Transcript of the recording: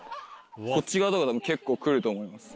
こっち側とか結構来ると思います。